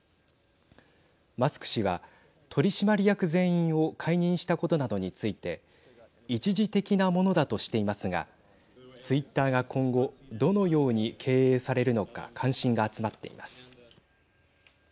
マスク氏は取締役全員を解任したことなどについて一時的なものだとしていますがツイッターが今後どのように経営されるのか関心が集まっています。